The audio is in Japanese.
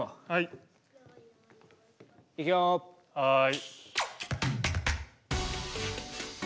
はい。